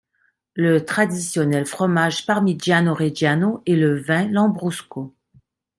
Le traditionnel fromage Parmigiano Reggiano et le vin Lambrusco.